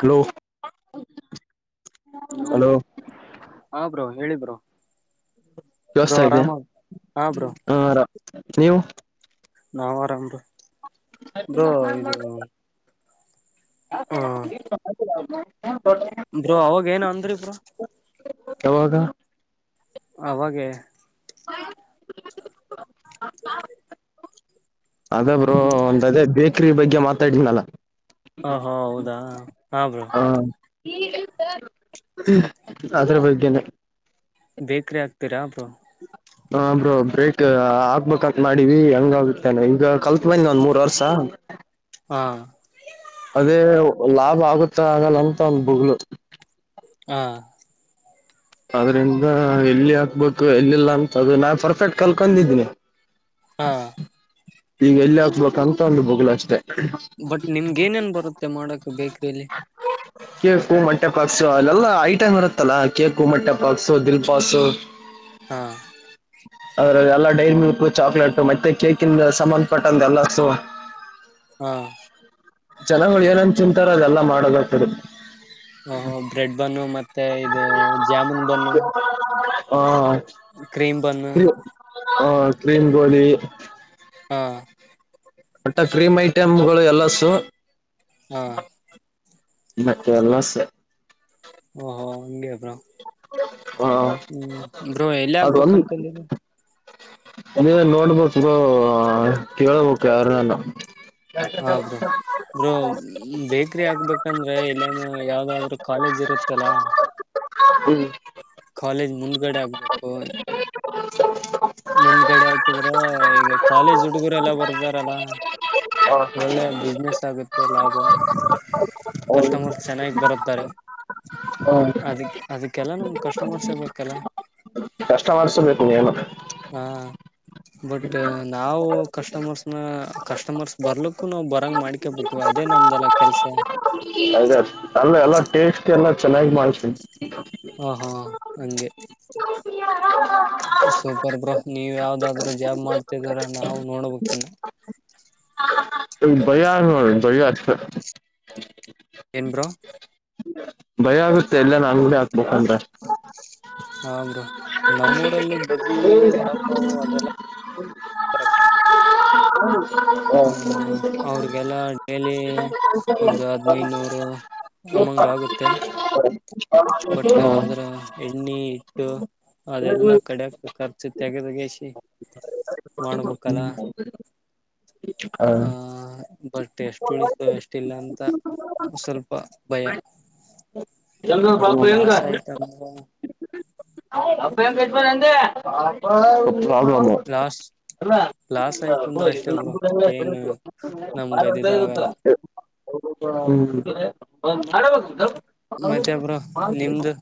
Hello. Hello ಹ. Bro ಹೇಳಿ bro. Bro ವ್ಯವಸ್ಥ ಇದೆ ಆರಾಮ ಹಾ ಬ್ರೋ ಹ. ನೀವು. ನಾವು ಆರಾಮ್ ಬ್ರೋ ಇದು. [inaudible] ಬ್ರರು ಅವಾಗ ಏನ ಅಂದ್ರಿ ಬ್ರ ಯಾವಾಗ ಅವಾಗೆ ಹ [unintelligible] ಅದ ಬ್ರೋ ಒಂದದೇ ಬ ವಿಕ್ರಿ ಬಗ್ಗೆ ಮಾತಾಡಿದ್ನಲ್ಲ ಹೋ ಹೌದಾ ಹಾ ಬ್ರೋ ಅದರ ಬಗ್ಗೆನೆ ಬೇಕ್ರ ಆಕ್ತೀರಾ ಅಬ ಹ ಬ್ರೋ ಬ್ರೇಕ್ ಹಗ್ಬೇಕಂತ ಮಾಡಿವಿ ಹಂಗ ಆಗುತ್ತೆನೆ ಈಗ ಕಲ್ತ್ ಬಂದ ಒಂದ್ ಮೂರ್ ವರ್ಷ [inaudible] ಹಾ ಅದೇ ಲಾಭ ಆಗುತ್ತೆ ಆಗಲ್ಲ ಅಂತ ಒಂದ ಬುಗ್ಲು ಹಾ ಆದ್ರಿಂದ ಎಲ್ಲಿ ಹಾಕ್ಬೇಕು ಎಲ್ಲಿಲ್ಲ ಅಂತ ನಾ ಪರ್ಫೆಕ್ಟ್ ಕಲ್ಕೊಂಡಿದೀನಿ ಹಾ ಈಗ ಎಲ್ಲಿ ಹಾಕ್ಬೇಕ ಅಂತಕೊಂಡು ಬೋಗಲು ಅಷ್ಟೇ ಬಟ್ ನಿಮ್ಗ ಏನೇನ್ ಬರುತ್ತೆ ಮಾಡಕ್ ಬೇಕ್ರೀಲಿ ಕೇಕು ಮೊಟ್ಟೆ ಪಾಕ್ಸು ಅಲ್ಲೆಲ್ಲಾ ಐಟಮ್ ಇರುತ್ತಲ್ಲಾ ಕೇಕು ಮೊಟ್ಟೆಪಾಕ್ಸು ದಿಲ್ಪಸ್ ಹಾ ಅದ್ರ ಎಲ್ಲ ಡೈರಿ ಮಿಲ್ಕ್ ಚಾಕ್ಲೇಟ್ ಮತ್ತೆ ಕೇೇಕ ಇಂದ ಸಂಬಂಧಪಟ್ಟಂತೆ ಎಲ್ಲ ಸು ಹ್ಮ ಜನಗಳು ಏನನ್ ತಿಂತಾರ ಅದೆಲ್ಲಾ ಮಾಡದಾಗತಿರ ಓಹೋ ಬ್ರೆಡ್ ಬನ್ನು ಮತ್ತೆ ಇದು ಜಾಮೂನ್ ಬನ್ನು ಹ ಕ್ರೀಮ ಬನ್ನುು ಹ ಕ್ರೀಮ ಗೋಳಿ ಹಾ ಮತ್ತೆ ಕಫ್ರೀಮ್ ಐಟಮ್ ಗಳು ಎಲ್ಲ ಸು ಹ್ಮ್ ಮ ಎಲ್ಲ ಸ ಓಹೋ ಹಂಗ ಅಪರ ಆ, ಹ್ಮ್ ಬ್ರೋ ಎಲ್ಲಿ ಆಗ್ಬೇಕನ್ಕಲಿಲ್ಲ ಅದ ನೋಡ್ಬೇಕ ಕೇಳ್ಬೇಕ ಯಾರ ನಾನ ಹಾ ಬ್ರೂ ಬ್ರೂ ಬೇಕ್ರಿ ಹಾಕ್ಬೇಕಂದ್ರೆ ಇಲ್ಲಿನು ಯಾವ್ದಾದ್ರರು ಕಾಲೇಜ್ ಇರುತ್ತಲ್ಲ ಹ್ಮ್ [unintelligible] ಕಾಲೇಜ್ ಮುಂದ್ಗಡೆ ಆಗ್ಬೇಕು ಹ [unintelligible] ಮುಂದ್ಗಡೆ ಆಗ್ತಿದ್ರ ಈಗ ಕಾಲೇಜ್ ಹುಡುಗರೆ ಎಲ್ಲ ಬರ್ದ ಲ್ಲಾ ಹ ಒಳ್ಳೆ ಬಿಸ್ನೆಸ್ ಆಗುತ್ತೆ ಲಾಭ ಕಸ್ಟಮರ್ಸ್ ಚೆನ್ನಾಗಿ ಬರುತ್ತಾರೆ ಹ್ಮ್ ಅದಕ್ಕೆ ಅದ ಕೆಲ್ಲ ನಮ್ ಕಸ್ಟಮರ್ಸ್ೇ ಬೇಕಲ್ಲ ಕಷ್ಟ ಮಾಡಸಬೇಕು ನೀೇನ ಹಾ ಬಟ್ ನಾವು ಕಸ್ಟಮರ್ಸ್ನ ಕಸ್ಟಮರ್ಸ್ ಬರ್ಲಕ್ಕೂ ನಾವವು ಬರಂಗ ಮಾಡ್ಕೇಬೇಕು ಅದೇ ನಮ್ದಲ್ಲ ಕೆಲ್ಸ ಅದ ಅಲ್ಲ ಎಲ್ಲಾ ಟೇಸ್ಟ್ ಎಲ್ಲ ಚೆನ್ನಾಗಿ ಮಾಡ್ಸಿ ಹ ಹ ಅಜೆ ಸೂಪರ್ ಬ್ರೋ ನೀವ್ ಯಾವ್ದಾದ್ರೂ ಜಾಬ್ ಮಾಡ್ತಿದಾರ ನಾವು ನೋಡ್ಬೇಕಕ್ ತಿಿನ ಬಯ ಬಯ ಏನ್ ಬ್ರೋ ಭಯ ಆಗುತ್ತೆ ಎಲ್ಲ ನ ಅಂಗಡಿ ಹಾಕ್ಬ ಅಂದ್ರೆ ಹಾ ಬ್ರೋ ನಮ್ಮೂರಲ್ಲಿ ಬಜಿ ಒಡಪಾವು ಅದೆಲ್ಲಬ ಹ್ಮ ಅವ್ರಿಗೆಲ್ಲ ಡೈಲಿ ಓ ಒಂದು ಹದ್ನೈನೂರು ಯೂ ಅಮಂಗ ಆಗುತ್ತೆ ಹ ಬಟ್ ಅದ್ರ ಎಣ್ಣಿ ಟ್ಟು ಅದೆಲ್ಲ ಕಡಕ ಖರ್ಚು ತೆಗೆ ತಗಿಸಿಿ ಮಾಡ್ಬೇಕಲ್ಲ ಹ ಬಟ್ ಎಷ್ಟು ಉಳತವೆ ಎಷ್ಟಲ್ಲ ಅಂತ ಸ್ವಲ್ಪ ಭಯ ಬಟ್ ಲಾಸ್ ಆಯ್ತ ಅಂದ್ರ ಅ ವೆಂಕೇಶ್ವರ ಅಂದ ಹದಾಮ ಲಾಸ್ ಅಲ್ಲ ಲಾಸ್ ಆಯ್ತು ಅಂದ್ರ ಅಷ್ಟೇ ಬ್ರೋ ನಮ್ ಏನ್ ನಮ್ಗದಿದ ದೊಡ್ಡ್ ಆಗಲ್ಲ [unintelligible] [unintelligible] ಹೌದು [unintelligible] ಮತೆ ಬ್ರೊ ನಿಮ್ದು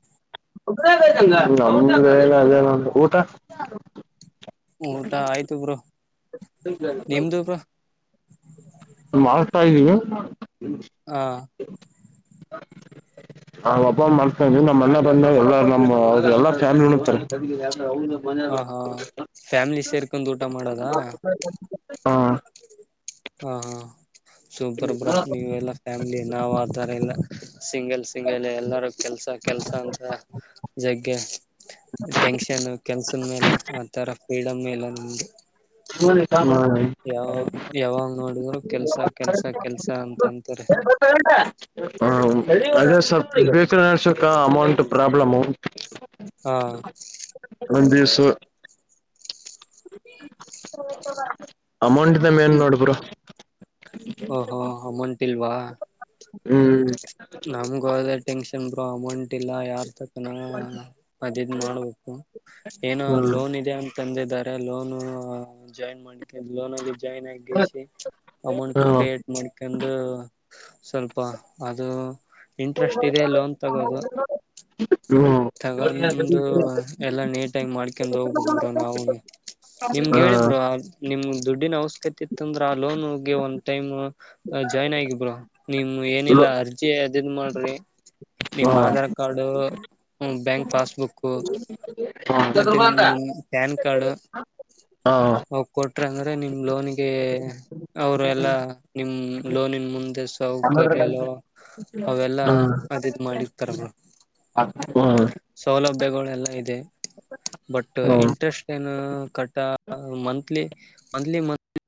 ನಮ್ [unintelligible] ಮೇಲೆ [unintelligible] ಊಟ ಊಟ ಆಯ್ತು ಬ್ರೊ ನಿಮ್ದು ಬ್ರೊ ಮಾಡ್ತಾ ಇದ್ದೀವಿ. ಹಾಂ [unintelligible] ಮಾಡ್ತಾಯಿದೀನಿ ನಮ್ಮ ಅಣ್ಣ ಬಂದ ಎಲ್ಲ ನಮ್ ಅವ್ರರು ಎಲ್ಲ ಫ್ಯಾಮ್ಲಿ ಉಣ್ತಾರೆ. ಹೌದು ಹ ಮನೆಯವ್ರು ಹಾ ಫ್ಯಾಮಿಲಿ ಸೇರ್ಕೊಂದು ಊಟ ಮಾಡೋದ. ಹ ಹಾ ಸೂಪರ್ ಬ್ರೊ ನೀವೆ ಎಲ್ಲ ಫ್ಯಾಮ್ಲಿ ನಾವ್ ಅತರ ಇಲ್ಲ ಸಿಂಗಲ್ ಸಿಂಗಲ್ ಎಲ್ಲಾರ ಕೆಲ್ಸ ಕೆಲ್ಸ ಅಂತ ಜಗ್ಗೆ ಟೆನ್ಷನ್ ಕೆಲ್ಸದ ಮೇಲೆ ಆತರ ಫ್ರೀಡಮ್ ಇಲ್ಲ ಹಂಗೆ [unintelligible] ಹ ಯಾವಾಗ ನೋಡಿದ್ರು ಕೆಲ್ಸ ಕೆಲ್ಸ ಕೆಲ್ಸ ಅಂತ ಅಂತಾರೆ ಅದು ಸ್ವಲ್ಪ್ [unintelligible] [unintelligible] ಅಮೌಂಟ್ ಪ್ರಾಬ್ಲಮು ಹಾಂ ಒಂದ್ ಬಿಸು [unintelligible] ಅಮೌಂಟ್ದೆ ಮೇನ್ ನೋಡು ಬ್ರೊ. ಓಹೋ ಅಮೌಂಟ್ ಹ್ಮ್ ನಮಗೂ ಅದೇ ಟೆನ್ಶನ್. ಬ್ರೊ ಅಮೌಂಟ್ ಇಲ್ಲ ಯಾರ್ ತಾವ್ ನ ಅದಿದ ಮಾಡ್ಬೇಕು ಏನೋ ಲೋನ್ ಇದೆ ಅಂತ್ ತಂದಿದ್ದಾರೆ ಲೋನ್ ಜಾಯಿನ್ ಮಾಡಿ ಲೋನ ಅಲ್ಲಿ ಜಾಯ್ನ್ ಹಾ ಆಗಿಸಿ ಹಾ ಅಮೌಂಟ್ ಕ್ರಿಯೇಟ್ ಮಾಡ್ಕಂದು ಸ್ವಲ್ಪ ಅದು. ಇಂಟ್ರೆಸ್ಟ್ ಇದೆ ಲೋನ್ ತಗೋದು ಹ್ಮ್ ಹಾ ಹಾ ಹಾ ಹಾ ಹಾ ಹಾ ಹ್ಮ್ ಹಾ ಹಾ ಹಾ ತಗಂದು ಎಲ್ಲ ನೀಟಾಗಿ ಮಾಡ್ಕೊಂಡ್ ಹೋಗಬೇಕು ಬ್ರೊ ನಾವುಗಿ ನಿಮ್ಗೆ ಹೇಳಿ ಬ್ರೊ ನಿಮ್. ದುಡ್ಡಿನ ಅವಶ್ಯಕತೆ ಇತ್ತ ಅಂದ್ರೆ ಆ ಲೋನ್ಗೆ ಒನ್ ಟೈಮ್ ಜಾಯ್ನ್ ಆಗಿ ಬ್ರೊ ನಿಮ ಹ್ಮ್ ಏನಿಲ್ಲ ಅರ್ಜಿ. ಎ ಅದಿನ್ ಮಾಡ್ರಿ. ನಿಮ್ಮ್ ಆಧಾರ್ ಕಾರ್ಡ್ಡು ಹ್ಮ್ ಬ್ಯಾಂಕ್ ಪಾಸ್ಬುಕ್ಕು ಮತ್ತೆ ಹಾ ನಿಮ ್ಯಾನ್ ಕಡು ಹಾ ಕೊಟ್ರ ಅಂದ್ರೆ ನಿಮ ಲೋನ್ಿಗೆ ಅವರು ಎಲ್ಲಾ ನಿಮ ಲೋನನ್ ಮುಂದೆ ಸೌ ಕಲ ಹಾ ಹಾ ಅವೆಲ್ಲ ಅದಿದ್ ಮಾಡಿತಾರಮ್ಮ ಹ ಹ ಸೌಲಭ್ಯಗಳೆಲ್ಲ ಇದೆ ಬಟ್ ಹಾ ಇಂಟ್ರೆಸ್ಟ್ ಏನು ಕಟ್ಟ ಮಂತ್ಲಿ ಮಂತ್ಲಿ ಮಂತ್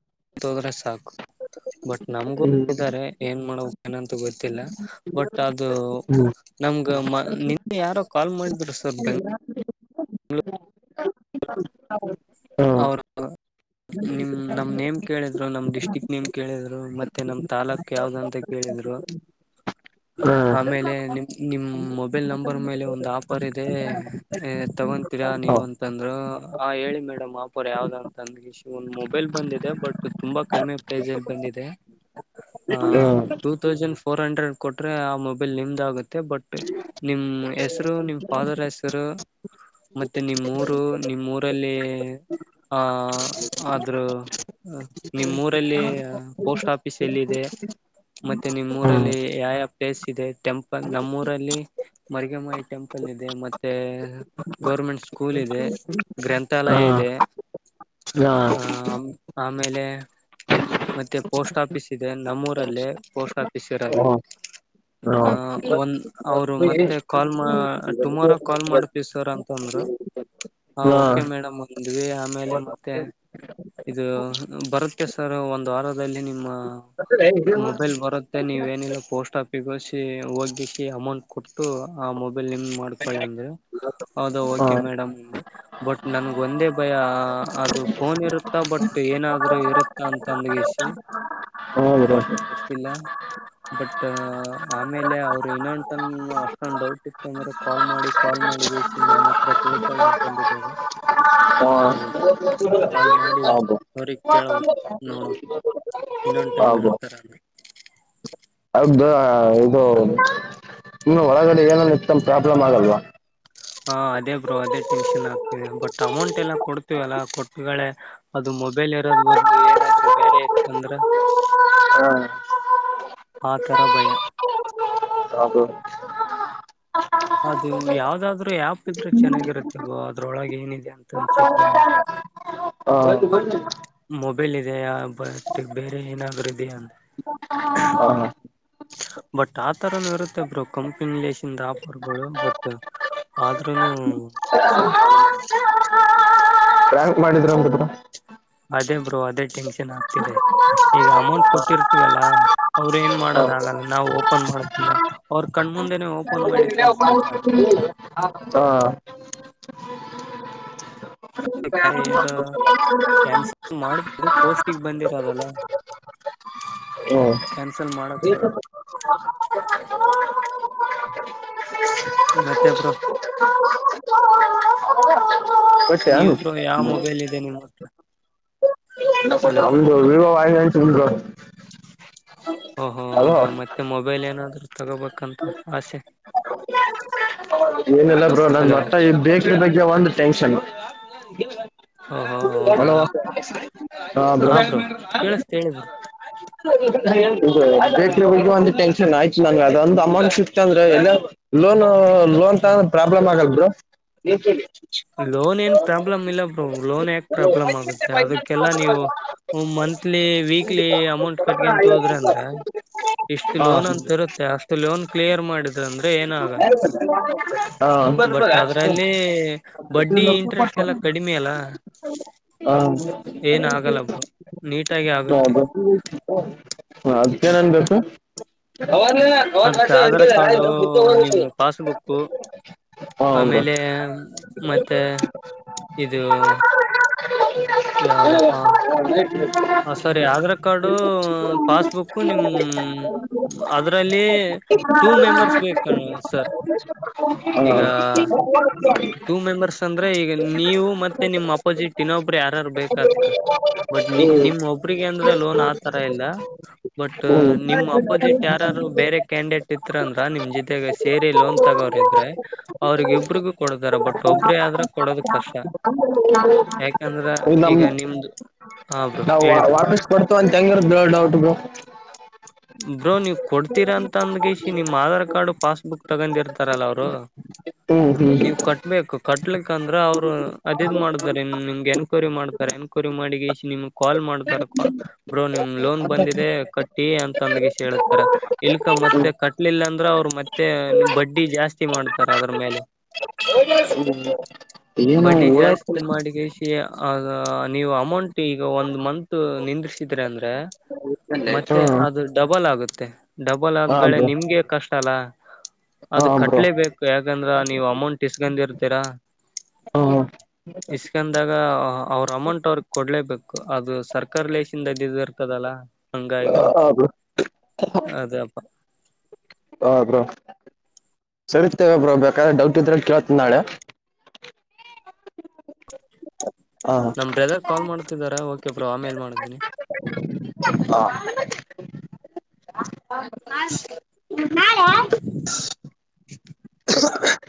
ತೋದ್ರೆ ಸಾಕು ಬಟ್ ನಮ್ಗು ಇದಾರೆ ಏನ್ ಮಾಡ ಅನಂತ ಗ ಇಲ್ಲ ಬಟ್ ಅದು ನಮ್ ನಿನ್ನೆ ಯಾರೋ ಕಾಲ್ ಮಾಡಿದ್ರು ಸರ್ ಬೆಂಗ್ ಹ ಅವರು ನಿಮ್ ನಮ್ಮ್ ನೇಮ್ ಕೇಳಿದ್ರು ನಮ್ಮ್ ಡಿಸ್ಟ್ರಿಕ್ ನೇಮ್ ಕೇಳಿದ್ರು ಮತ್ತೆ ನಮ್ಮ್ ತಾಲೂಕ್ ಯಾವ್ದಂತ ಕೇಳಿದ್ರು ಆಮೇಲೆ ನಿಮ್ ನಿಮ್ ಮೊಬೈಲ್ ನಂಬರ್ ಮೇಲೆ ಒಂದು್ ಆಫರ್ ಇದೆ ತಗೊಂತೀರಾ ನೀವ ಅಂತಂದ್ರ ಹಾಂ ಹೇಳಿ ಮೇಡಮ್ ಆಪೋರ್ ಯಾವ್ದ ಅಂತ ಅಂದ ಇಶ ಒಂದು ಮೊಬೈಲ್ ಬಂದಿದೆ ಬಟ್ ತುಂಬ ಕಡಿಮೆ ಪ್ರೈಸಲ್ಲಿ ಬಂದಿದೆ ಹ ಟೂ ತೌಸಂಡ್ ೋ ಹಂಡ್ರಡ್ ಕೊಟ್ರೆ ಆ ಮೊಬೈಲ್ ನಿಮ್ದಾಗುತ್ತೆ ಬಟ್ ನಿಮ್ಮ ಹೆಸರು ನಿಮ್ಮ ಫಾದರ್ ಹೆಸರು ಮತ್ತೆ ನಿಮ್ಮ ರು ನಿಮ್ಮ ಊರಲ್ಲಿ ಆ ಆದ್ರೂ ನಿಮ್ಮ ೂರಲ್ಲಿ ಪೋಸ್ಟ್ ಆಫೀಸ್ ಎಲ್ಲಿದೆ ಮತ್ತೆ ನಿಮ್ಮ ಊರಲ್ಲಿ ಯಾವ ಯಾವ ಪ್ಲೇಸ್ ಇದೆ ಟೆಂಪಲ್ ನಮ್ಮೂರಲ್ಲಿ ಮರ್ಗಮಯಿ ಟೆಂಪಲ್ ಇದೆ ಮತ್ತೆ ಗೌರ್ಮೆಂಟ್ ಸ್ಕೂಲ್ ಇದೆ ಗ್ರಂಥಾಲಯ ಇದೆ ಹ ಆ ಆಮೇಲೆ ಮತ್ತೆ ಪೋಸ್ಟ್ ಆಫೀಸ್ ಇದೆ ನಮ್ಮೂರಲ್ಲೇ ಪೋಸ್ಟ್ ಆಫೀಸ್ ಇರದು ಆಹ ಒಂದ ಅವರು ಮತ್ತೆ ಕಾಲ್ ಟುಮಾರೋ ಕಾಲ್ ಮಾಡತ ಸರ್ ಅಂತಂದರು ಹಾ ಓಕೆ ಮೇಡಮ್ ಹಿಂದವಿ ಆಮೇಲೆ ಮತ್ತೆ ಇದು ಬರುತ್ತೆ ಸರ್ ಒಂದು್ ವಾರದಲ್ಲಿ ನಿಮ್ಮ ಅ ಮತ್ತೆ ನೀವೇಏನಿಲ್ಲ ಪೋಸ್ಟ್ ಆಫಿಿಗೆೋಸಿ ಹೋಗಲಿಕ್ಕೆ ಅಮೌಂಟ್ ಕೊಟ್ಟು ಆ ಮೊಬೈಲ್ ನಿಮ ಮಾಡ್ಕೊಳ್ಳಿ ಅಂದ್ರೆ ಹೌದ ಓಕೆ ಮೇಡಮ್ ಒಂದೆ ಬಟ್ ನನ್ಗ ಒಂದೇ ಭಯ ಅದು ಫೋನ್ ಇರುತ್ತಾ ಬಟ್ ಏನಾದರೂ ಇರುತ್ತಾ ಅಂತ ತಂದಗಸಿ ಬಟ್ ಹೌದು ಗೊತ್ತಿಲ್ಲ ಬಟ್ ಆಮೇಲೆ ಅವ್ರು ಇನೊಂದುಂತಂದ ಅಷ್ಟೊಂದು ಡೌಟ್ ಇತ್ತು ಅಂದ್ರೆ ಕಾಲ್ ಮಾಡಿ ಕಾಲ್ ಮಾಡಿಗಿಸಿ ನಮ್ಮ ಹತ್ರ ತಿೇಳ್ತಾಳೆ ಅಂತಂದಿದ್ದಾರೆ ಕಾಲ್ ಮಾಡಬದು ಹೌದು ಕೇಳವುು ನೋಡು ಇನ್ನೊಂದ್ ಹೌದು ಟೈ್ೇಳ್ತಾರಾನ ಇದ ಇದು ಇನ್ನು ಒಳಗಡೆ ಏನನ ಇತ್ತನ ಪ್ರಾಬ್ಲಮ್ ಆಗಲ್ವಾ. ಹಾ ಅದೇ ಬ್ರೋ ಅದೇ ಟೆನ್ಷನ್ ಆಗ್ತಿದೆ ಬಟ್ ಅಮೌಂಟ್ ಎಲ್ಲ ಕೊಡ್ತೀವಲ್ಲ ಕೊಟ್ಟ್ಗಳೇ ಅದು ಮೊಬೈಲ್ ಇರೋದ ಬದ್ಲು ಏನಾದ್ರು ಬೇರೆ ಇತ್ತ ಅಂದ್ರ ಹಾ ಆ ತರ ಭಯ. [inaudible] ಅದು ಯಾವ್ದಾದ್ರು ಆ್ಯಪ್ ಇದ್ರೆ ಚೆನ್ನಾಗಿರುತ್ತೆಗೋ ಅದ್ರೊಳಗ ಏನಿದೆ ಹ ಅಂತಂದು ಚೆಕ್ ಮಾಡಿ. ಹ. ಮಾಬೆಲ್ ಇದೆಯಾ ಬಟಿಗ ಬೇರೆ ಏನಾದ್ರೂ ಇದೆಯಾ ಅಂತ. ಬಟ್ ಆತರನು ಇರುತ್ತೆ ಬ್ರೋ ಕಂಪನಿ ಲೇಶನ್ ದ ಆಫರ್ಗಳು ಬಟ್ ಆದ್ರೂನು ಸ್ವಲ್ಪ ಅನುಮಾನ. ಬ್ಯಾಂಕ್ ಮಾಡಿದ್ರ ಬ್ರೋ. ಅದೇ ಬ್ರೋ ಅದೇ ಟೆನ್ಷನ್ ಹಾ ಆಗ್ತಿದೆ ಈಗ ಅಮೌಂಟ್ ಕೊಟ್ಟಿರ್ತೀವಲ್ಲಾ ಅವ್ರ ಏನ್ ಹಾ ಮಾಡೋದಾಗಲ್ಲ ನಾವು ಓಪನ್ ಮಾಡತನಾ ಅವ್ರರು ಕಣ್ಮುಂದೆನೆ. ಹಾ. ಏನ್ರ. ಕ್ಯಾನ್ಸಲ್ ಮಾಡ್ಬ. ಇದು ಪೋಸ್ಟಿಗ ಬಂದಿರೋದಲ್ಲ. ಕ್ಯಾನ್ಸಲ್ ಮಾಡಕ್. ಬರತ್. ಮತ್ತೆ ಬ್ರೋ. ಕೊಟ್ಯಾನ್ ನೀವ್ ಬ್ರೋ ಯಾವ ಮೊಬೈಲ್ ಇದೆ ನಿಮ್ಮ ಹತ್ರ. ಹಲೋ ನಮ್ದು ವಿವೊ ವೈ. [inaudible] ಓಹೋ ಹೌದಾ ಮತ್ತೆ ಮೊಬ. ಮೊಬೈಲ್ ಏನಾದ್ರರು ತಗೋಬೇಕಂತ ಆಸೆ. ಏನಿಲ್ಲ ಬ್ರೋ ನಂಗ ಹಲೋ ವಟ್ಟ ಇ ಬೇಕ. ಈ ಬಗ್ಗೆ ಒಂದು ಟೆನ್ಷನ್. ಓಹೋ ಹೌದಾ ಹಲೋ ಹಾ ಬ್ರೋ. ಕೇಳಿಸ್ತ ಹೇಳಿ ಬ್ರೋ [inaudible] ಇದು ಹ್ಮ್ ಬೇಟ್ರಗಳಿಗೆ ಒಂದು ಟೆನ್ಷನ್ ಆಯ್ತು [inaudible] ನಂಗ ಅದ ಒಂದ್ ಅಮೌಂಟ್ ಸಿಕ್ತ ಅಂದ್ರೆ ಏಲ್ಲ ಲೋನು. ಲೋನ್ ಹಾ ತಗಾಂಡ್ರ ಪ್ರಾಬ್ಲ್ ಆಗಲ್ ಬ್ರೋ. [inaudible] ಲೋನ್ ಏನ್ ಪ್ರಾಬ್ಲಮ್ ಇಲ್ಲ. ಲೋನ್ ಯಾಕ್ ಪ್ರಾಪ. ಪ್ರಾಬ್ಲಮ್ ಆಗುತ್ತೆ ಅದಕ್ಕೆಲ್ಲಾ ನೀವು ಮಂತ್. monthly weekly amount. ಕಟ್ಕಿಯಂತ ಹೋದ್ರೆ ಅಂದ್ರೆ ಇಷ್ಟು ಹಾ ಹಾ ಲೋನ್ ಅಂತ ಇರುತ್ತೆ ಅಷ್ಟು ಲೋನ್. ಕ್ಲಿಯರ್ ಮಾಡಿದ್ರ ಅಂದ್ರೆ ಏನ ಆಗಲ್ಲ. ಹಾ ಬಟ್ ಹೌದು ಅದ್ರಲ್ಲಿ. ಅಡ್ಡಿ ಇಂಟ್ರೆಸ್ಟ್ ಎಲ್ಲ ಕಡಿಮೆ ಅಲ್ಲಾ ಹ ಹಾ ನೀಟಾಗಿ ಚ ಆಗುತ್ತೆ ಹ ಅದಕ್ಕೆೇನನ್ ಬೇಕು ಅವ ಅದಕ್ ಆಧಾರ್ ಕಾರ್ಡು ನಿಮ್ ಪಾಸ್ಬುಕ್ಕು ಹ ಆಮೇಲೆ ಮತ್ತೆ ಹ ಯಾವ್ದಪ್ಪ ಹ ಸರಿ ಆಧಾರ್ ಕಾರ್ಡು ಪಾಸ್ಬುಕ್ ನಿಮ್ ಅದರಲ್ಲಿ ಟೂ ಮೆಂಬರ್ಸ್ ಬೇಕ ಸರ್ ಈಗ ಟೂ ಮೆಂಬರ್ಸ್ ಅಂದ್ರೆ ಈಗ ನೀವು ಮತ್ತೆ ನಿಮ್ಮ ಅಪೋಸಿಟ್ಿನ ಒ ಯಾರಾರು ಬೇಕತಾರ ಬಟ್ ನಿಮ್ಮ್ ಒಬ್ರಿಗೆ ಅಂದ್ರ ಲೋನ್ ಆತರ ಇಲ್ಲ ಬಟ್ ಹ್ಮ್ ನಿಮ್ಮ್ ಅಪೋಸಿಟ್ ಯಾರಾರು ಬೇರೆ ಕ್ಯಾಂಡಿಡೇಟ್ ಇತ್ತ ಅಂದ್ರ ನಿಮ್ ಜೊತೆಗೆ ಸೇರಿ ಲೋನ್ ತಗೋ್ರ ಇ ಅವ್ರಗೊಬ್ರಿಗೂ ಕೊಡದಾರ ಬಟ್ ಒಬ್ರೇ ಆದ್ರ ಕೊಡೋದ ಕಷ್ಟ ಯಾಕೆ ಹ ನ ಬ್ರೋ ನಾವು ಹೇಳಿ ಬ್ರೋ ವಾಪಸ್ ಕೊಡ್ತ ಹೆಂಗರ ದಡಔಟ್ ಗ ಬ್ರೋ ನೀವ್ ಕೊಡ್ತೀರ ಅಂತ ಅಂದಗಸ ನಿಮ್ ಆಧಾರ್ ಕಾರ್ಡ್ ಪಾಸ್ಬುಕ್ ತಗೊಂಡಿರ್ತಾರಲ್ಲ ಅವರು ಹ್ಮ್ ಹ್ಮ್ ನೀವ್ ಕಟ್ಬೇಕು ಕಟ್ಲಿಕ್ ಅಂದ್ರ ಅವ್ರು ಅದದು್ ಮಾಡಿದ್ರ ನಿಮಗೆನ್ ಕ ಕೊರಿ ಮಾಡ್ತಾರೆ ಏನ್ ಕೋರಿ ಮಾಡಿಗೆ ನಿಮ ಕಾಲ್ ಮಾಡತಾರೆ ಬ್ರೋ ನಿಮ್ ಲೋನ್ ಬಂದಿದೆ ಕಟ್ಟಿ ಅಂತ ತಂದಗ ಹೇಳತಾರ ಇಲ್ಕ ಮತ್ತೆ ಕಟ್ಲಿಲ್ಲಾ ಅಂದ್ರ ಅವ್ರರು ಮತ್ತೆ ಬಡ್ಡಿ ಜಾಸ್ತಿ ಮಾಡ್ತಾರ ಅದ್ರ ಮೇಲೆ ಏನೋ ಬಡ್ಡಿ ಹುಳ ಜಾಸ್ತಿ ಮಾಡಿಕ ಸಿ ಅದು ನೀವು ಅಮೌಂಟ್ ಈಗ ಒಂದು ಮಂತು ನಿಂದಿಸಿದ್ರೆ ಅಂದರೆ ಮತ್ತೆ ಹಾ ಅದು ಡಬಲ್ ಆಗುತ್ತೆ ಮತ್ತು [unintelligible] ಡಬಲ್ ಹಾ ಆದಳೆ ಬ್ರೋ ನಿಮ್ಗೆ ಕಷ್ಟ ಚಲ ಹಾ ಅದು ಬ್ರೋ ಕಟ್ಲೇಬೇಕು ಯಾಕಂದ್ರ ನೀವು ಅಮೌಂಟ್ ಇಸ್ಕೊಂಡ ಇರ್ತೀರಾ ಹಾ ಇಸ್ಕಂದಾಗ ಅವ್ರ ಅಮೌಂಟ್ ಅವ್ರಗ್ ಕೊಡ್ ನಡ್ಲೇಬೇಕು ಅದು ಸರ್ಕಾರಾರಿ ಲೇಸಿಂದದದು ಇರ್ತದಲ್ಲ ಹಂಗಾಗಿ ಬ್ರೋ ಅದಪ್ಪ ಹ ಬ್ರೋ ಸರಿತೇವೆ ಬ್ರೋ ಬೇಕಾದ್ರೆ ಡೌಟ್ ಇದ್ರ ಕೇಳತ್ ನಾಳೆ ಹಾ ನಮ್ರದಾಗ ಕಾಲ್ ಮಾಡ್ತಿದಾರ ಬಬ್ ಆಮೇಲೆ ಮಾಡಿದ್ದನಿ ನ [inaudible]